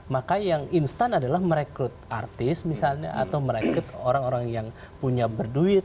maka yang instan adalah merekrut artis misalnya atau merekrut orang orang yang punya berduit